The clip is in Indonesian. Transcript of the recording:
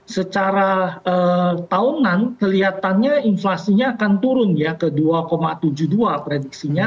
secara tahunan kelihatannya inflasinya akan turun ya ke dua tujuh puluh dua prediksinya